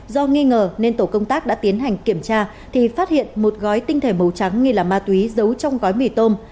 do nghi ngờ nên tổ công tác đã tiến hành kiểm tra thì phát hiện một gói tinh thể màu trắng nghi là ma túy giấu trong gói mì tôm